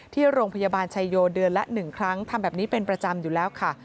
ที่โรงพยาบาลชายโยเดือนละ๑ครั้งทำแบบนี้เป็นประจำอยู่แล้วค่ะ